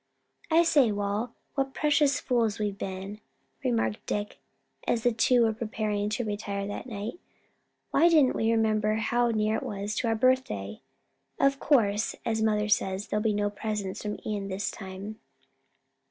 "I say, Wal, what precious fools we've been," remarked Dick as the two were preparing to retire that night; "why didn't we remember how near it was to our birthday? Of course, as mother says, there'll be no presents from Ion this time."